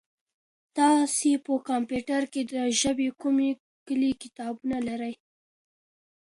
تاسي په کمپیوټر کي د ژبې کوم کلي کتابونه لرئ؟